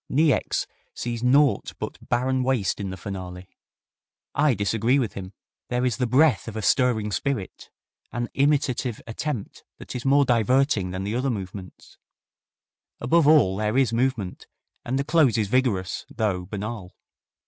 Niecks sees naught but barren waste in the finale. I disagree with him. There is the breath of a stirring spirit, an imitative attempt that is more diverting than the other movements. Above all there is movement, and the close is vigorous, though banal.